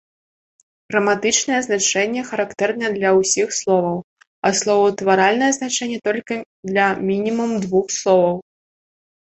Граматычнае значэнне характэрнае для ўсіх словаў, а словаўтваральнае значэнне толькі для мінімум двух словаў.